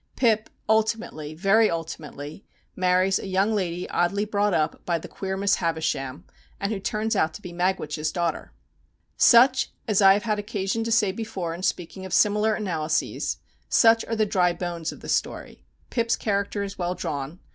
Pip ultimately, very ultimately, marries a young lady oddly brought up by the queer Miss Havisham, and who turns out to be Magwitch's daughter. Such, as I have had occasion to say before in speaking of similar analyses, such are the dry bones of the story. Pip's character is well drawn.